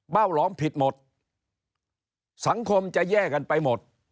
หลอมผิดหมดสังคมจะแย่กันไปหมด